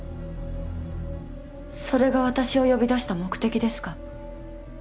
それが私を呼び出した目的ですか？